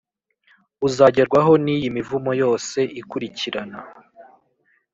uzagerwaho n’iyi mivumo yose ikurikirana